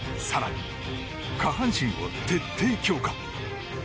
更に、下半身を徹底強化。